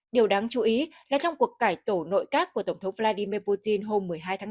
điều đáng chú ý là trong cuộc cải tổ nội các của tổng thống vladimir putin hôm một mươi hai tháng năm